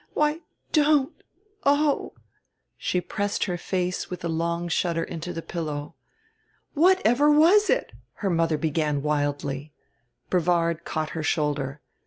Why don't. Oh!" She pressed her face with a long shudder into the pillow. "Whatever was it ?" her mother began wildly. Brevard caught her shoulder.